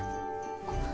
あっ。